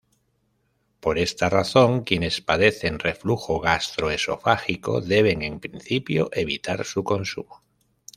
Por esta razón, quienes padecen reflujo gastroesofágico deben en principio evitar su consumo.